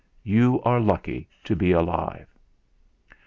You are lucky to be alive."